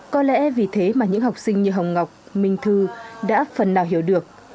có lẽ vì thế mà những học sinh như hồng ngọc minh thư đã phần nào hiểu được